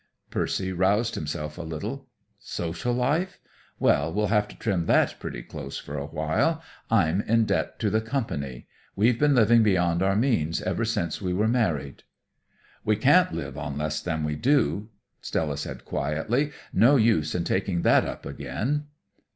Percy roused himself a little. "Social life? Well, we'll have to trim that pretty close for a while. I'm in debt to the company. We've been living beyond our means ever since we were married." "We can't live on less than we do," Stella said quietly. "No use in taking that up again."